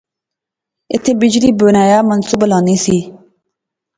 ایتھیں بجلی بنایا منصوبہ لانی سی